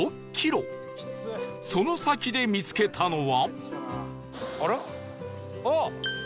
その先で見つけたのは